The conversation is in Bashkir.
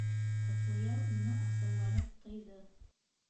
Ҡотлояр уны асыуланып тыйҙы: